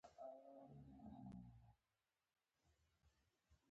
ایا زه باید لور شم؟